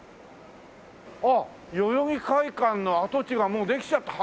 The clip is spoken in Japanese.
あっ代々木会館の跡地がもうできちゃった。